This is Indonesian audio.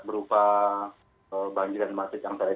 berupa banjir dan macet